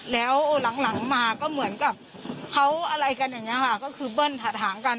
แล้วหลังมาก็เหมือนกับเขาอะไรกันอย่างนี้ค่ะก็คือเบิ้ลถัดหางกัน